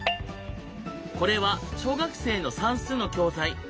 これは小学生の算数の教材。